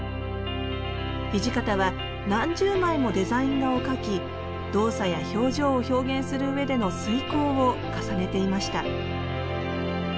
土方は何十枚もデザイン画を描き動作や表情を表現する上での推敲を重ねていました